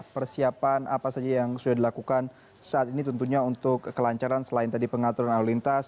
persiapan apa saja yang sudah dilakukan saat ini tentunya untuk kelancaran selain tadi pengaturan lalu lintas